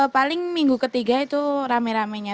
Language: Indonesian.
paling minggu ketiga itu rame ramenya